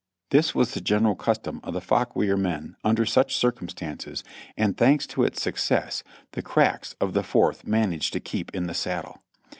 This was the general custom of the Fauquier men under such circum stances, and thanks to its success the cracks of the Fourth man aged to keep in the saddle.